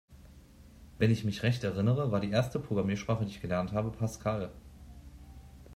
Wenn ich mich recht erinnere, war die erste Programmiersprache, die ich gelernt habe, Pascal.